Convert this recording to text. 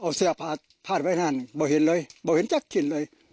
เอาเสียภาพฝ่วยแบบนั้นไม่เห็นเลยไม่เห็นแต่เข็นนเลย